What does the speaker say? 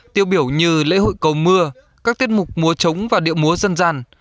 tiêu biểu như lễ hội cầu mưa các tiết mục múa trống và điệu múa dân gian